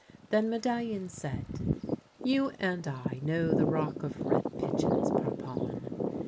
Then Medallion said, " You and I know the Rock of Red Pigeons, Parpon.